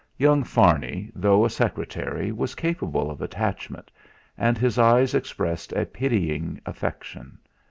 Young Farney, though a secretary, was capable of attachment; and his eyes expressed a pitying affection.